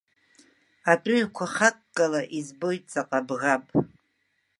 Атәыҩақәа хаккала избоит ҵаҟа абӷаб.